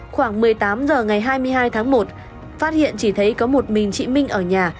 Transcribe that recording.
khoảng một mươi tám h ngày hai mươi hai tháng một phát hiện chỉ thấy có một mình chị minh ở nhà